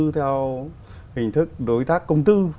theo hình thức đối tác công tư